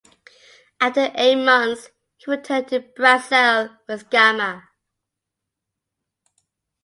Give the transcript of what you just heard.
After eight months he returned to Brazil with Gama.